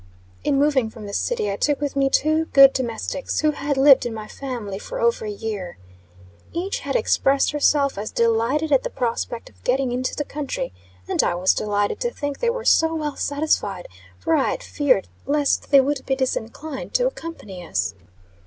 In moving from the city, I took with me two good domestics, who had lived in my family for over a year. Each had expressed herself as delighted at the prospect of getting into the country, and I was delighted to think they were so well satisfied, for I had feared lest they would be disinclined to accompany us.